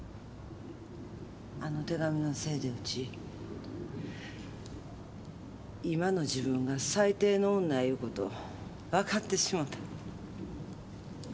あの手紙のせいでウチ今の自分が最低の女やいう事わかってしもた。